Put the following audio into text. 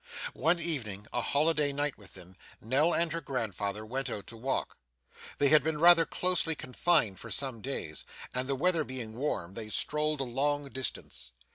One evening, a holiday night with them, Nell and her grandfather went out to walk. They had been rather closely confined for some days, and the weather being warm, they strolled a long distance.